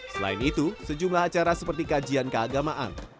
selain itu sejumlah acara seperti kajian keagamaan